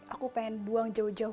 aku pengen buang jauh jauh